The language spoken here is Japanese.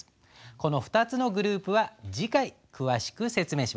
この２つのグループは次回詳しく説明します。